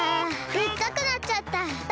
でっかくなっちゃった！